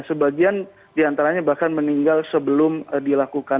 sebagian diantaranya bahkan meninggal sebelum dilakukan